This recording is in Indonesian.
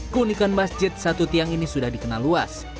keunikan masjid satu tiang ini sudah dikenal luas